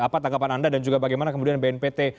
apa tanggapan anda dan juga bagaimana kemudian bnpt